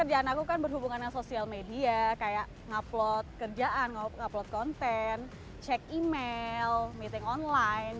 karena kerjaan aku kan berhubungan dengan sosial media kayak upload kerjaan upload konten cek email meeting online